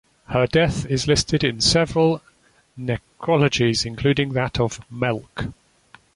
Her death is listed in several necrologies, including that of Melk.